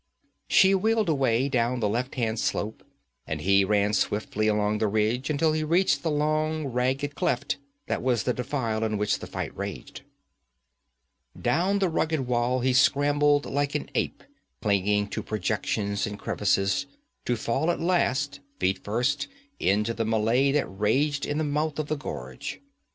She wheeled away down the left hand slope and he ran swiftly along the ridge until he reached the long ragged cleft that was the defile in which the fight raged. Down the rugged wall he scrambled like an ape, clinging to projections and crevices, to fall at last, feet first, into the mêlée that raged in the mouth of the gorge.